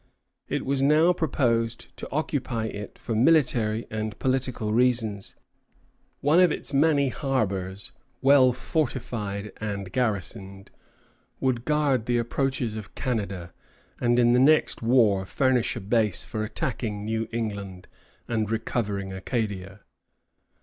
It was now proposed to occupy it for military and political reasons. One of its many harbors, well fortified and garrisoned, would guard the approaches of Canada, and in the next war furnish a base for attacking New England and recovering Acadia.